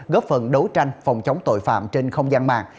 góp phần đấu tranh phòng chống tội phạm trên không gian mạng